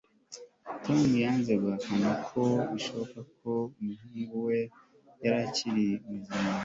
tom yanze guhakana ko bishoboka ko umuhungu we yari akiri muzima